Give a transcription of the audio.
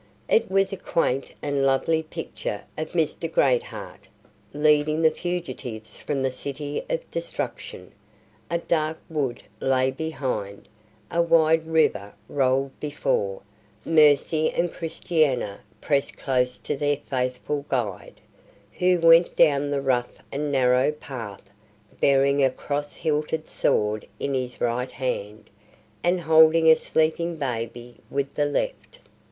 It was a quaint and lovely picture of Mr. Greatheart, leading the fugitives from the City of Destruction. A dark wood lay behind; a wide river rolled before; Mercy and Christiana pressed close to their faithful guide, who went down the rough and narrow path bearing a cross hilted sword in his right hand, and holding a sleeping baby with the left.